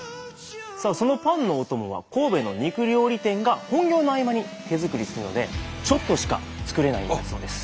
さあそのパンのお供は神戸の肉料理店が本業の合間に手作りするのでちょっとしか作れないんだそうです。